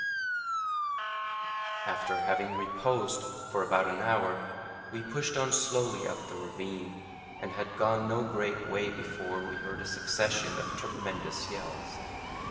After having reposed for about an hour, we pushed on slowly up the ravine, and had gone no great way before we heard a succession of tremendous yells.